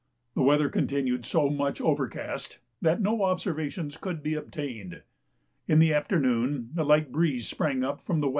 The weather continued so much overcast that no observations could be obtained. In the afternoon a light breeze sprang up from W.N.